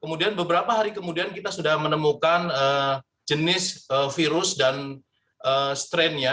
kemudian beberapa hari kemudian kita sudah menemukan jenis virus dan strainnya